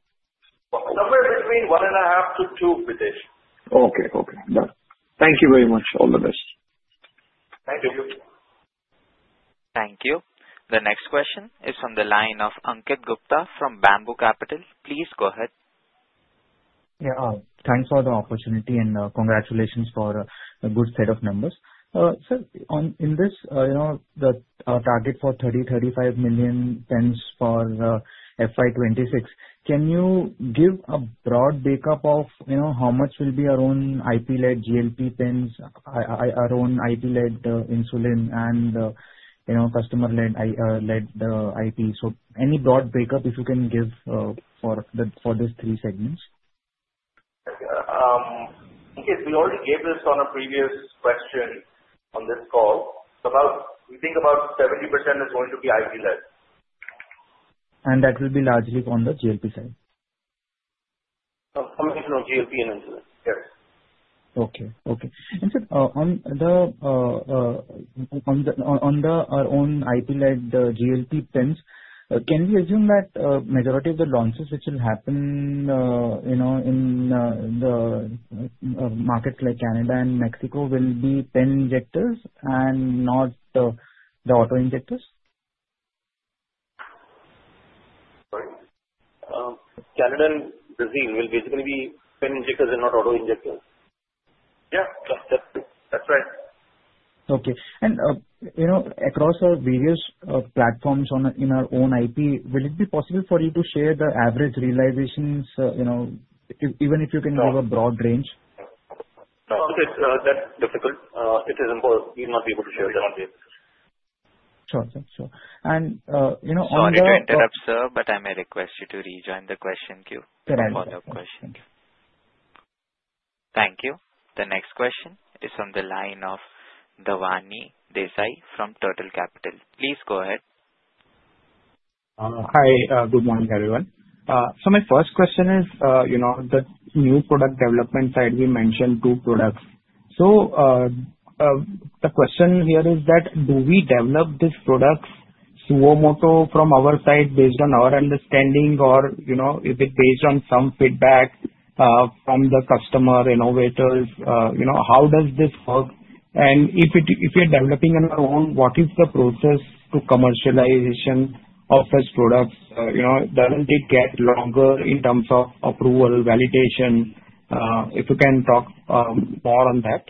Somewhere between 1.5 to 2, Pritesh. Okay. Done. Thank you very much. All the best. Thank you. Thank you. The next question is from the line of Ankit Gupta from Bamboo Capital. Please go ahead. Yeah. Thanks for the opportunity and congratulations for a good set of numbers. Sir, in this, the target for 30-35 million pens for FY 2026, can you give a broad breakup of how much will be our own IP-led GLP pens, our own IP-led insulin and customer-led IP? Any broad breakup if you can give for these three segments. Ankit, we already gave this on a previous question on this call. We think about 70% is going to be IP-led. That will be largely on the GLP side. A combination of GLP and insulin. Yes. Okay. Sir, on our own IP-led GLP pens, can we assume that majority of the launches which will happen in the markets like Canada and Mexico will be pen injectors and not the auto-injectors? Sorry. Canada and Brazil will basically be pen injectors and not auto-injectors. Yeah. That's true. That's right. Okay. Across our various platforms in our own IP, will it be possible for you to share the average realizations, even if you can give a broad range? No. It's that difficult. It is important. We'll not be able to share that. Sure. Sorry to interrupt, sir, I may request you to rejoin the question queue. Right for your follow-up question. Thank you. The next question is from the line of Dhwani Desai from Turtle Capital. Please go ahead. Hi. Good morning, everyone. My first question is, the new product development side, we mentioned two products. The question here is that do we develop these products suo moto from our side based on our understanding, or is it based on some feedback from the customer innovators? How does this work? If you're developing on your own, what is the process to commercialization of such products? Doesn't it get longer in terms of approval, validation? If you can talk more on that.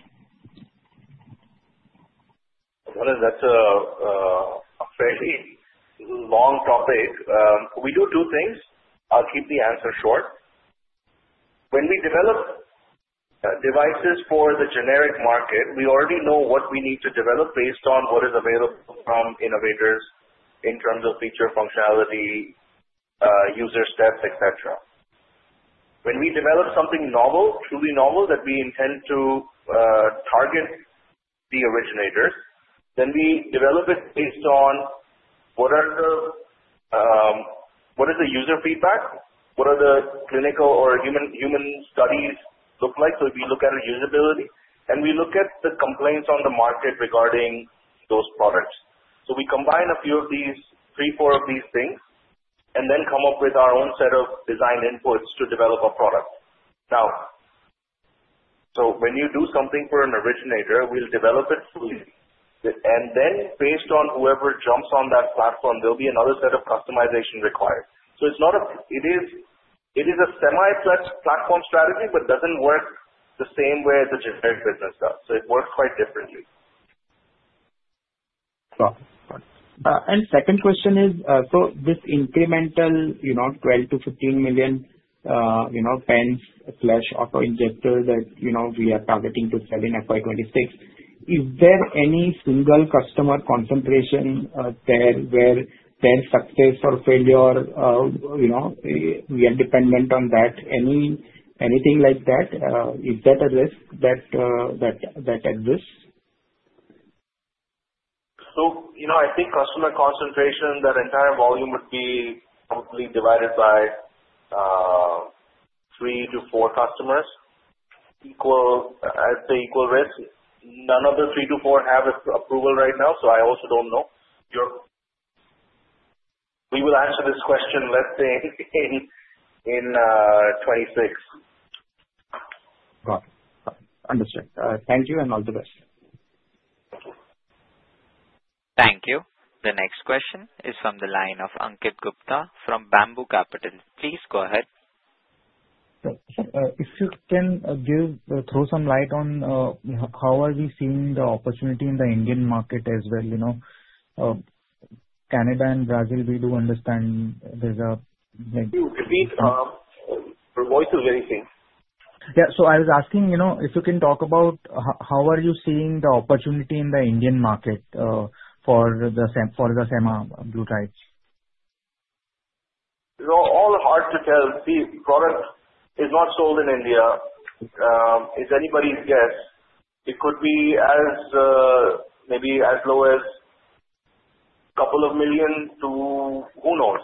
Well, that's a fairly long topic. We do two things. I'll keep the answer short. When we develop devices for the generic market, we already know what we need to develop based on what is available from innovators in terms of feature functionality, user stats, et cetera. When we develop something novel, truly novel, that we intend to target the originators, then we develop it based on what is the user feedback, what are the clinical or human studies look like. We look at usability, and we look at the complaints on the market regarding those products. We combine a few of these, three, four of these things, and then come up with our own set of design inputs to develop a product. When you do something for an originator, we'll develop it fully, and then based on whoever jumps on that platform, there'll be another set of customization required. It is a semi-platform strategy, but doesn't work the same way as the generic business does. It works quite differently. Sure. Second question is, this incremental 12 million pens/auto-injectors-15 million pens/auto-injectors that we are targeting to sell in FY 2026. Is there any single customer concentration there where their success or failure, we are dependent on that? Anything like that? Is that a risk that exists? I think customer concentration, that entire volume would be probably divided by three-four customers. I'd say equal risk. None of the three-four have approval right now, so I also don't know. We will answer this question, let's say, in 2026. Got it. Understood. Thank you, all the best. Thank you. The next question is from the line of Ankit Gupta from Bamboo Capital. Please go ahead. If you can throw some light on how are we seeing the opportunity in the Indian market as well. Canada and Brazil, we do understand there's Can you repeat? Your voice is very faint. Yeah. I was asking, if you can talk about how are you seeing the opportunity in the Indian market, for the semaglutide. They're all hard to tell. See, product is not sold in India. It's anybody's guess. It could be maybe as low as INR couple of million to who knows?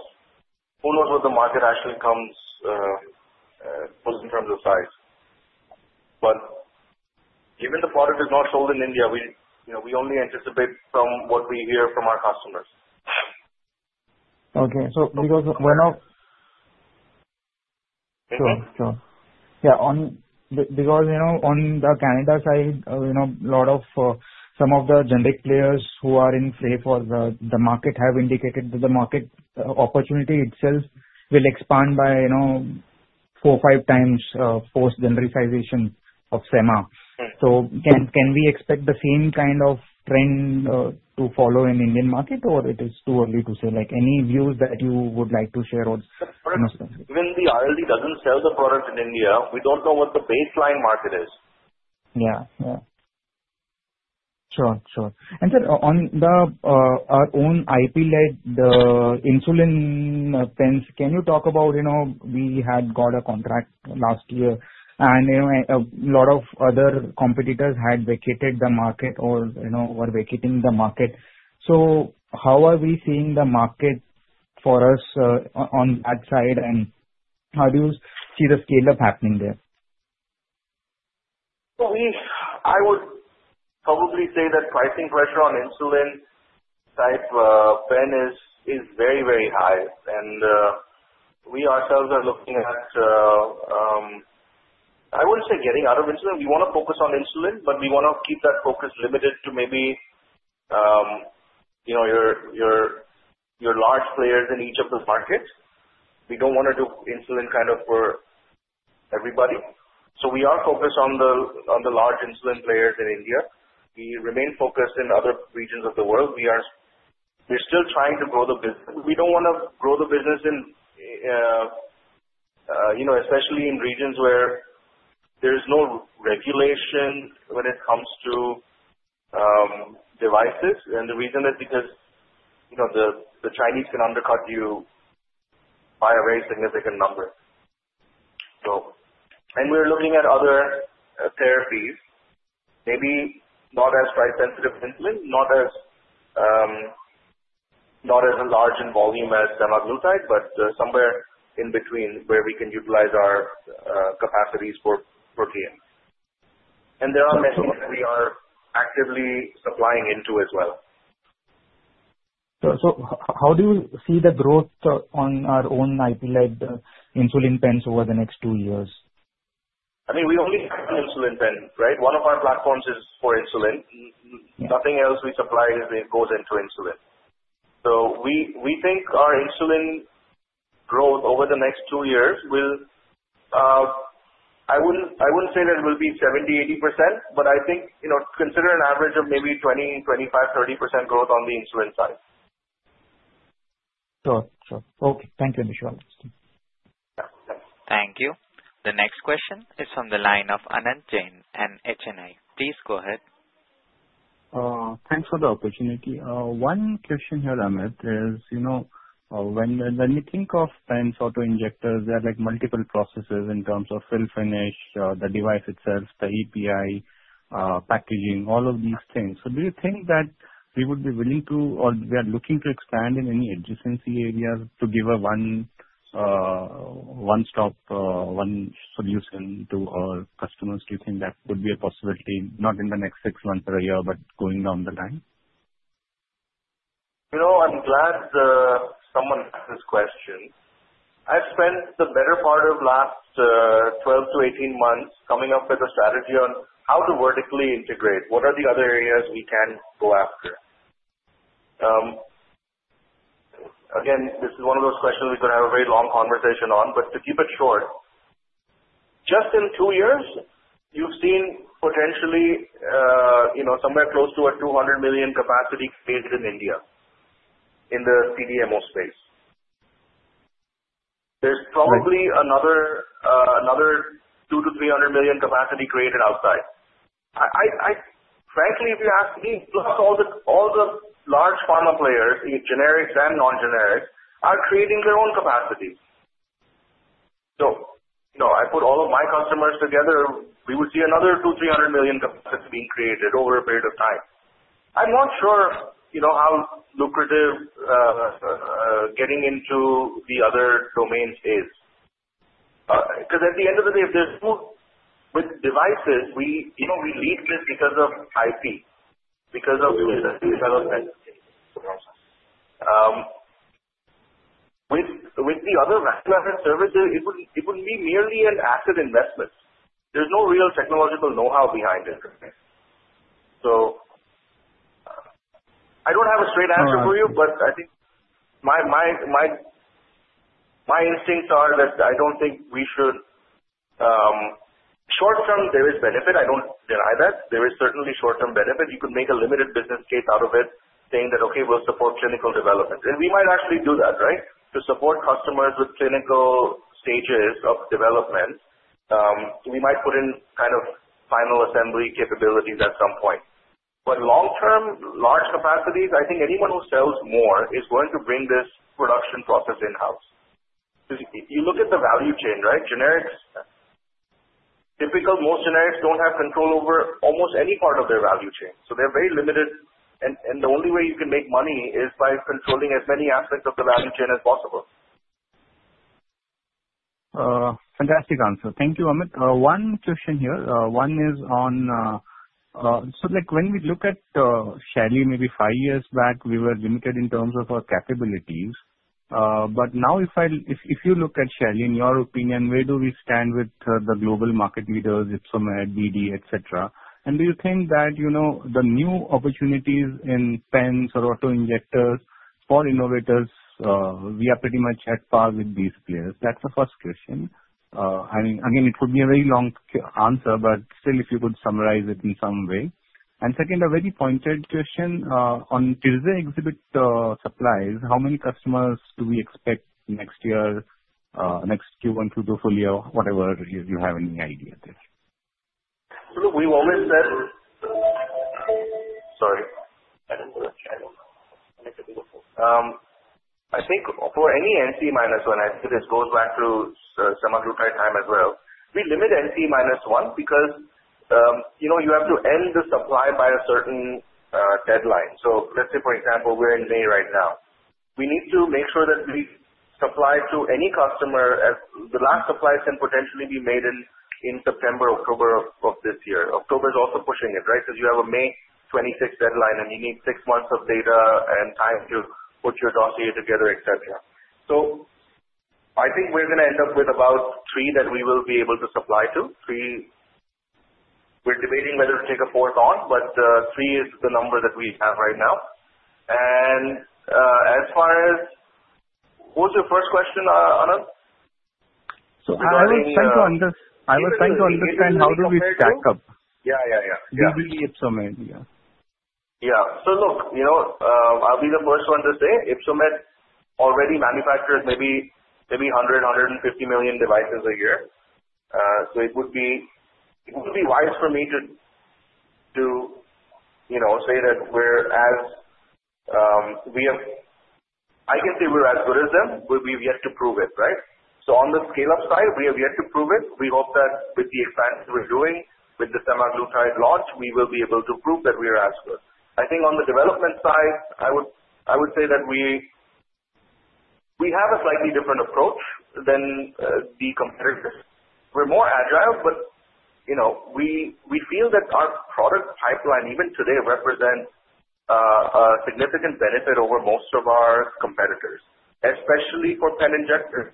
Who knows what the market actually becomes, both in terms of size. Given the product is not sold in India, we only anticipate from what we hear from our customers. Okay. Can you hear me? Sure. Yeah. On the Canada side, some of the generic players who are in play for the market have indicated that the market opportunity itself will expand by four or five times post genericization of semaglutide. Right. Can we expect the same kind of trend to follow in Indian market, or it is too early to say? Any views that you would like to share? Even the RLD doesn't sell the product in India. We don't know what the baseline market is. Yeah. Sure. Sir, on our own IP-led, the insulin pens, can you talk about, we had got a contract last year, and a lot of other competitors had vacated the market or were vacating the market. How are we seeing the market for us on that side, and how do you see the scale-up happening there? I would probably say that pricing pressure on insulin type pen is very high. We ourselves are looking at, I wouldn't say getting out of insulin. We want to focus on insulin, but we want to keep that focus limited to maybe your large players in each of those markets. We don't want to do insulin for Everybody. We are focused on the large insulin players in India. We remain focused in other regions of the world. We are still trying to grow the business. We do not want to grow the business, especially in regions where there is no regulation when it comes to devices. The reason is because the Chinese can undercut you by a very significant number. We are looking at other therapies, maybe not as price sensitive as insulin, not as large in volume as semaglutide, but somewhere in between where we can utilize our capacities for PM. There are many we are actively supplying into as well. How do you see the growth on our own IP-led insulin pens over the next two years? We only have insulin pen. One of our platforms is for insulin. Nothing else we supply goes into insulin. We think our insulin growth over the next two years will. I wouldn't say that it will be 70%, 80%, but I think consider an average of maybe 20%, 25%, 30% growth on the insulin side. Sure. Okay. Thank you, Amit. Thank you. The next question is from the line of Anant Jain and HNI. Please go ahead. Thanks for the opportunity. One question here, Amit, is when you think of pens, auto-injectors, there are multiple processes in terms of fill finish, the device itself, the API, packaging, all of these things. Do you think that we would be willing to, or we are looking to expand in any adjacency areas to give a one-stop, one solution to our customers? Do you think that would be a possibility, not in the next six months or a year, but going down the line? I'm glad someone asked this question. I've spent the better part of last 12-18 months coming up with a strategy on how to vertically integrate. What are the other areas we can go after? Again, this is one of those questions we could have a very long conversation on. To keep it short, just in 2 years, you've seen potentially somewhere close to a 200 million capacity created in India in the CDMO space. Right. There's probably another 2 million-300 million capacity created outside. Frankly, if you ask me, plus all the large pharma players, the generics and non-generics, are creating their own capacity. I put all of my customers together, we would see another 2 million, 300 million capacity being created over a period of time. I'm not sure how lucrative getting into the other domains is. At the end of the day, with devices, we lead this because of IP. Because of intellectual property. With the other services, it would be merely an asset investment. There's no real technological know-how behind it. I don't have a straight answer for you, but I think my instincts are that I don't think we should. Short-term, there is benefit. I don't deny that. There is certainly short-term benefit. You could make a limited business case out of it saying that, okay, we'll support clinical development. We might actually do that. To support customers with clinical stages of development. We might put in final assembly capabilities at some point. Long-term, large capacities, I think anyone who sells more is going to bring this production process in-house. If you look at the value chain. Generics, typically, most generics don't have control over almost any part of their value chain, so they're very limited, and the only way you can make money is by controlling as many aspects of the value chain as possible. Fantastic answer. Thank you, Amit. One question here. When we look at Shaily, maybe five years back, we were limited in terms of our capabilities. But now if you look at Shaily, in your opinion, where do we stand with the global market leaders, Ypsomed, BD, et cetera? Do you think that the new opportunities in pens or auto-injectors for innovators, we are pretty much at par with these players? That's the first question. Again, it could be a very long answer, but still, if you could summarize it in some way. Second, a very pointed question. On tirzepatide exhibit supplies, how many customers do we expect next year, next Q1 through full year? Whatever, if you have any idea there. We've always said Sorry. I think for any NCE-1, actually this goes back to semaglutide time as well. We limit NCE-1 because you have to end the supply by a certain deadline. Let's say, for example, we're in May right now. We need to make sure that we supply to any customer, the last supply can potentially be made in September, October of this year. October is also pushing it. You have a May 26th deadline, and you need six months of data and time to put your dossier together, et cetera. I think we're going to end up with about three that we will be able to supply to. Three We're debating whether to take a fourth on, but three is the number that we have right now. As far as What's your first question, Anan? I was trying to understand how do we stack up? Yeah. Visibly Ypsomed, yeah. Look, I'll be the first one to say, Ypsomed already manufactures maybe 100, 150 million devices a year. It would be wise for me to say that I can say we're as good as them, but we've yet to prove it, right? On the scale-up side, we have yet to prove it. We hope that with the expanse we're doing with the semaglutide launch, we will be able to prove that we are as good. I think on the development side, I would say that we have a slightly different approach than the competitors. We're more agile, but we feel that our product pipeline, even today, represents a significant benefit over most of our competitors, especially for pen injectors.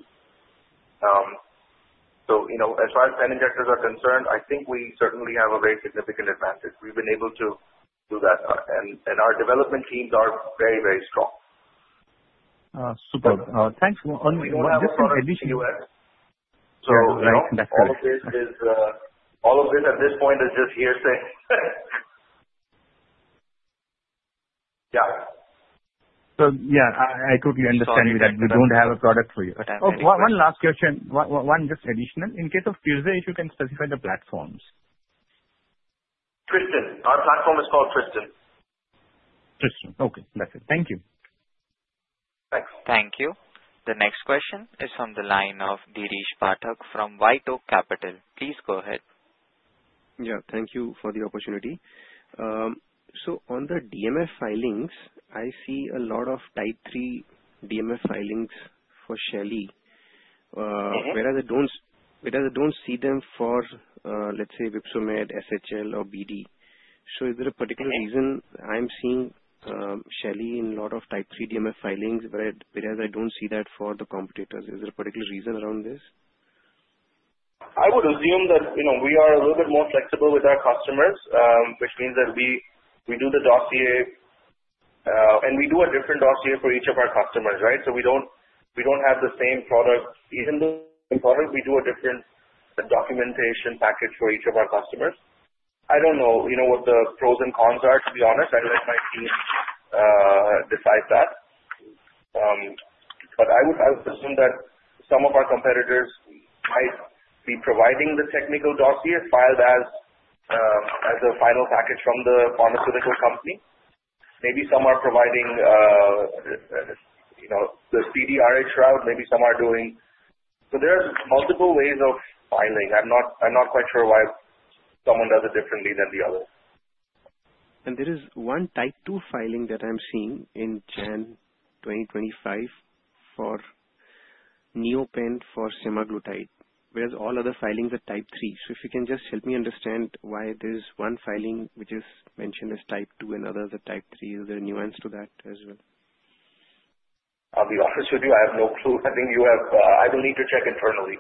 As far as pen injectors are concerned, I think we certainly have a very significant advantage. We've been able to do that, our development teams are very strong. Super. Thanks. One different. We don't have a product in the U.S. That's correct. All of this at this point is just hearsay. Yeah. Yeah. I totally understand that we don't have a product for you. One last question, one just additional. In case of Fusa, if you can specify the platforms. Tristan, our platform is called Tristan. Tristan. Okay. That's it. Thank you. Thanks. Thank you. The next question is from the line of Dirish Pathak from Y2 Capital. Please go ahead. Yeah. Thank you for the opportunity. On the DMF filings, I see a lot of type 3 DMF filings for Shaily. I don't see them for, let's say, Ypsomed, SHL or BD. Is there a particular reason I'm seeing Shaily in a lot of type 3 DMF filings, whereas I don't see that for the competitors. Is there a particular reason around this? I would assume that we are a little bit more flexible with our customers, which means that we do the dossier, and we do a different dossier for each of our customers, right? We don't have the same product. Even though it's the same product, we do a different documentation package for each of our customers. I don't know what the pros and cons are, to be honest. I let my team decide that. I would assume that some of our competitors might be providing the technical dossier filed as a final package from the pharmaceutical company. Maybe some are providing the CDRA route, maybe some are doing there are multiple ways of filing. I'm not quite sure why someone does it differently than the other. There is one type 2 filing that I'm seeing in January 2025 for NeoPen for semaglutide, whereas all other filings are type 3s. If you can just help me understand why there's one filing which is mentioned as type 2 and others are type 3. Is there a nuance to that as well? I'll be honest with you, I have no clue. I will need to check internally.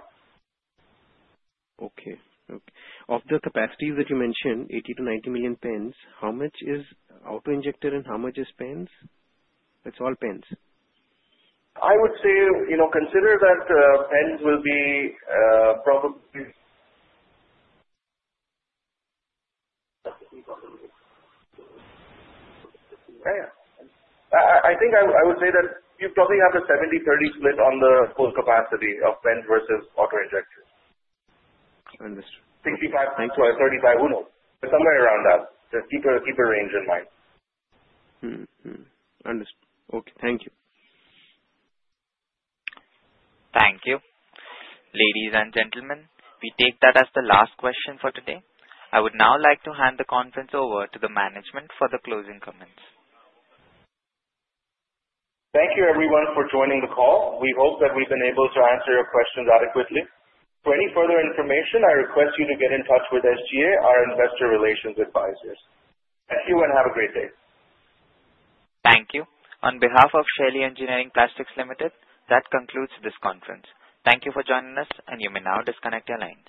Okay. Of the capacities that you mentioned, 80 million-90 million pens, how much is auto-injector and how much is pens? It's all pens? I would say, consider that pens will be probably a 70/30 split on the full capacity of pens versus auto-injectors. Understood. 65, 35. Who knows? Somewhere around that, just keep a range in mind. Understood. Okay. Thank you. Thank you. Ladies and gentlemen, we take that as the last question for today. I would now like to hand the conference over to the management for the closing comments. Thank you everyone for joining the call. We hope that we've been able to answer your questions adequately. For any further information, I request you to get in touch with SGA, our investor relations advisors. Thank you, and have a great day. Thank you. On behalf of Shaily Engineering Plastics Limited, that concludes this conference. Thank you for joining us, and you may now disconnect your line.